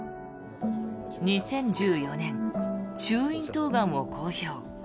２０１４年、中咽頭がんを公表。